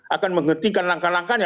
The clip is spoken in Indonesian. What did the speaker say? akan menghentikan langkah langkahnya